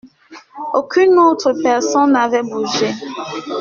Aucune autre personne n’avait bougé.